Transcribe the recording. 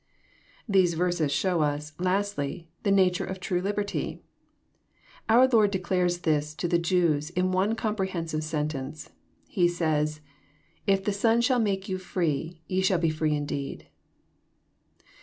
These verses, show us, lastly, the nature of true liberty. Our Lord declares this to the Jews in one comprehensive sentence. He says, ^^ If the Son shall make you free, ye shall be free indeed."